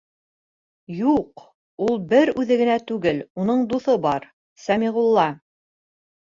Юҡ, ул бер үҙе түгел, уның дуҫы бар, Сәмиғулла!